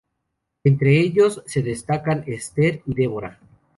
Entre ellos, se destacan "Esther" y "Deborah".